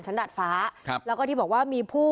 สันดัสฟ้าและที่บอกว่ามีผู้